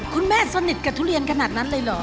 สนิทกับทุเรียนขนาดนั้นเลยเหรอ